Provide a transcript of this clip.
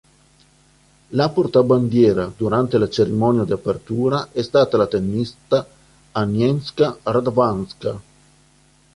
La portabandiera durante la cerimonia di apertura è stata la tennista Agnieszka Radwańska.